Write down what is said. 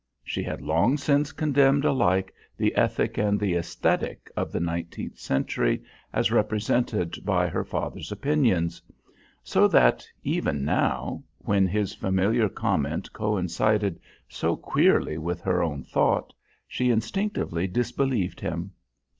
She had long since condemned alike the ethic and the aesthetic of the nineteenth century as represented by her father's opinions; so, that, even now, when his familiar comment coincided so queerly with her own thought, she instinctively disbelieved him.